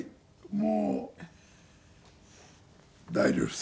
もう大丈夫です。